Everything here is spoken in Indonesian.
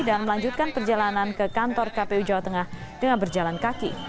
dan melanjutkan perjalanan ke kantor kpu jawa tengah dengan berjalan kaki